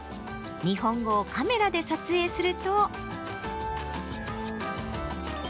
日本語をカメラで撮影すると。